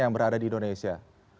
yang berada di indonesia